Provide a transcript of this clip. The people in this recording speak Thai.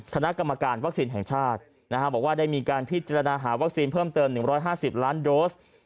คณะกรรมการวัคซีนแห่งชาติบอกว่าได้มีการพิจารณาหาวัคซีนเพิ่มเติม๑๕๐ล้านโดส